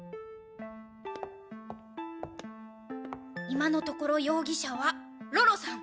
今のところ容疑者はろろさん。